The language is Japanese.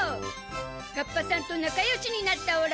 カッパさんと仲良しになったオラ。